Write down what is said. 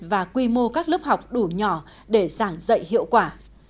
và quy mô các lớp học đủ nhỏ để giảng dạy hiệu quả